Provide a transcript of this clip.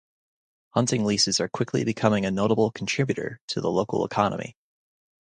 Hunting leases are quickly becoming a notable contributor to the local economy.